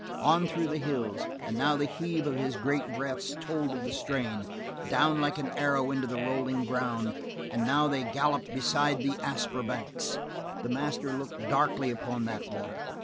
On through the hills, and now the heave of his great breaths told of the strain, down like an arrow into the rolling ground, and now they galloped beside the Asper banks. The master looked darkly upon that water.